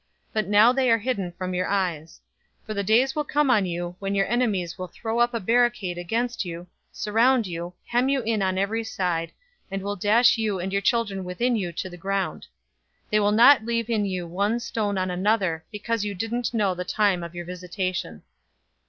But now, they are hidden from your eyes. 019:043 For the days will come on you, when your enemies will throw up a barricade against you, surround you, hem you in on every side, 019:044 and will dash you and your children within you to the ground. They will not leave in you one stone on another, because you didn't know the time of your visitation."